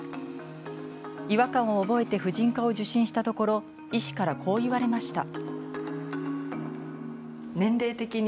違和感を覚えて婦人科を受診したところ医師から、こう言われました。